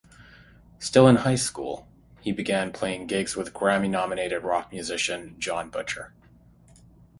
Still in high school, he began playing gigs with Grammy-nominated rock musician Jon Butcher.